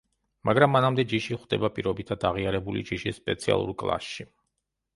მაგრამ მანამდე ჯიში ხვდება პირობითად აღიარებული ჯიშის სპეციალურ კლასში.